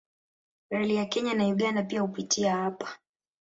Reli ya Kenya na Uganda pia hupitia hapa.